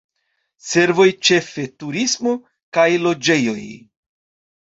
Servoj, ĉefe turismo, kaj loĝejoj.